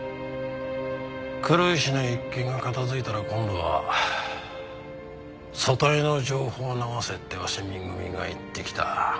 黒石の一件が片付いたら今度は組対の情報を流せって鷲見組が言ってきた。